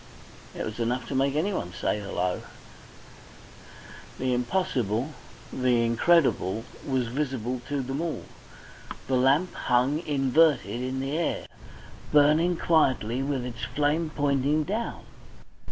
It was enough to make anyone say "Hullo!" The impossible, the incredible, was visible to them all. The lamp hung inverted in the air, burning quietly with its flame pointing down.